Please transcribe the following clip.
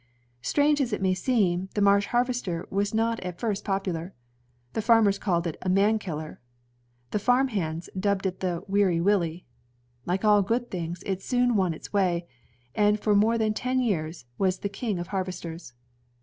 Strange as it may seem, the Marsh harvester was not at first popular. The farmers called it a *^man killer. '^ The farm hands dubbed it the "Weary Willie." Like all good things, it soon won its way, and for more than ten years was the king of harvesters.